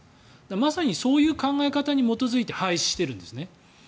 まさにそういう考え方に基づいて廃止してるんです。